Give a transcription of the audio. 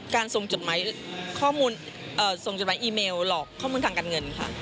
การส่งจดหมายอีเมลหลอกข้อมูลทางการเงินค่ะ